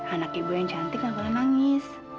anak ibu yang cantik yang pernah nangis